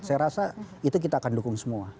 saya rasa itu kita akan dukung semua